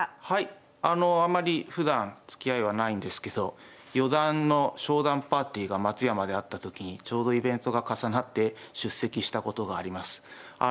はいあまりふだんつきあいはないんですけど四段の昇段パーティーが松山であった時にちょうどイベントが重なって出席したことがあります。